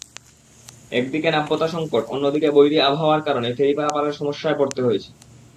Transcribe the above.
একদিকে নাব্যতাসংকট, অন্যদিকে বৈরী আবহাওয়ার কারণে ফেরি পারাপারে সমস্যায় পড়তে হয়েছে।